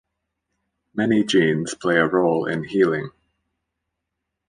Many genes play a role in healing.